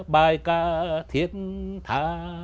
bài ca thiên thà